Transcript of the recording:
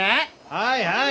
はいはい！